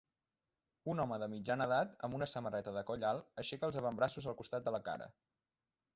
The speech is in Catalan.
Un home de mitjana edat amb una samarreta de coll alt aixeca els avantbraços al costat de la cara.